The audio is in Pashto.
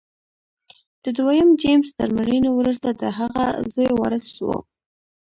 د دویم جېمز تر مړینې وروسته د هغه زوی وارث و.